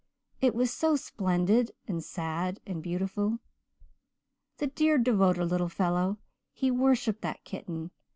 It was so splendid and sad and beautiful. The dear devoted little fellow! He worshipped that kitten.